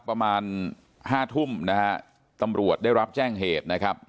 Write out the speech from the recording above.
ประมาณห้าทุ่มนะฮะตำรวจได้รับแจ้งเหตุนะครับ